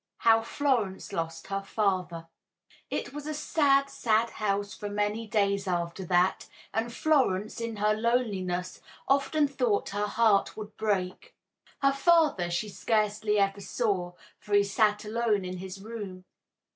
II HOW FLORENCE LOST HER FATHER It was a sad, sad house for many days after that, and Florence, in her loneliness, often thought her heart would break. Her father she scarcely ever saw, for he sat alone in his room.